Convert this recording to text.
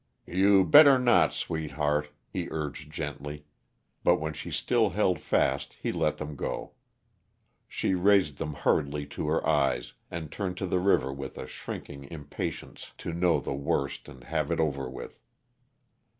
"You better not, sweetheart," he urged gently, but when she still held fast he let them go. She raised them hurriedly to her eyes, and turned to the river with a shrinking impatience to know the worst and have it over with.